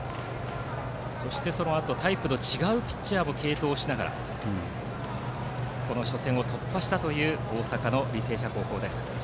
そして、そのあとはタイプの違うピッチャーで継投しながら初戦を突破したという大阪の履正社高校。